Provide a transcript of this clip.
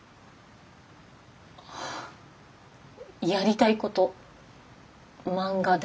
やりたいこと漫画でしたか？